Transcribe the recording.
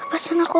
don apaan aku